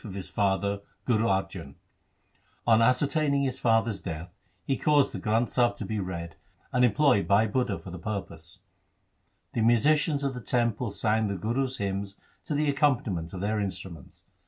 IV B 2 THE SIKH RELIGION ascertaining his father's death, he caused the Granth Sahib to be read, and employed Bhai Budha for the purpose. The musicians of the temple sang the Gurus' hymns to the accompaniment of their instru ments.